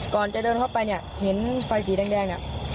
ก่อนจะเดินเข้าไปเห็นไฟสีแดง